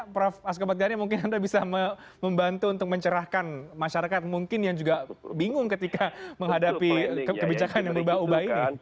prof askobat gari mungkin anda bisa membantu untuk mencerahkan masyarakat mungkin yang juga bingung ketika menghadapi kebijakan yang berubah ubah ini